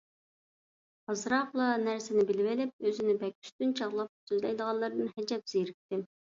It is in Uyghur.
ئازراقلا نەرسىنى بىلىۋېلىپ ئۆزىنى بەك ئۈستۈن چاغلاپ سۆزلەيدىغانلاردىن ئەجەب زېرىكتىم.